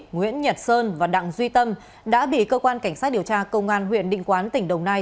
nguyễn nhật sơn và đặng duy tâm đã bị cơ quan cảnh sát điều tra công an huyện định quán tỉnh đồng nai